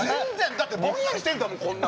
だってぼんやりしてるんだもん！